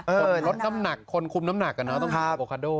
ปนรถน้ำหนักใครคุณคุมน้ำหนักหม่อต้องกินอโวคาโด